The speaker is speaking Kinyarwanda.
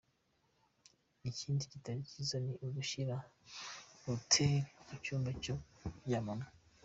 Ikindi kitari cyiza ni ugushyira routeur mu cyumba cyo kuryamamo .